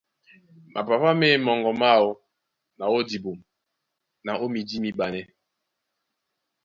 Mapapá ma e mɔŋgɔ mwáō na ó dibum na ó mídi míɓanɛ́.